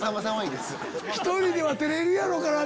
１人では照れるやろうから。